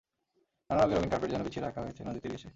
নানা রঙের রঙিন কার্পেট যেন বিছিয়ে রাখা হয়েছে নদীর তীর ঘেঁষে।